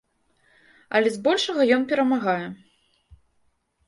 Але збольшага ён перамагае.